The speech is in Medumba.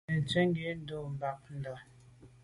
Nze ntshwèt ghù bag nda’ mbà.